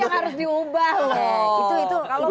yang harus diubah loh